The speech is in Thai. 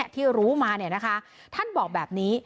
ที่รู้มาท่านบอกแบบนี้